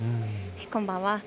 こんばんは。